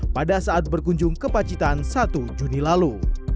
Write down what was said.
pada saat berkunjung ke pacitan satu juni lalu